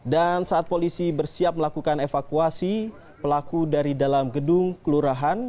dan saat polisi bersiap melakukan evakuasi pelaku dari dalam gedung kelurahan